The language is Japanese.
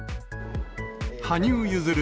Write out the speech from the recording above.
羽生結弦